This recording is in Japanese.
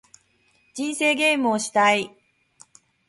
人生ゲームをしたい